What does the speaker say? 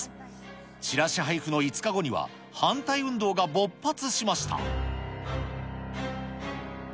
チラシ配布の５日後には、反対運動が勃発しました。